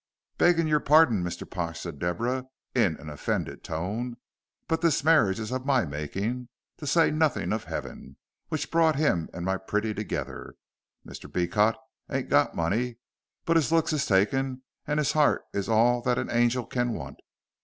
"Beggin' your parding, Mr. Pash," said Deborah, in an offended tone, "but this marriage is of my making, to say nothing of Heaven, which brought him and my pretty together. Mr. Beecot ain't got money, but his looks is takin', and his 'eart is all that an angel can want.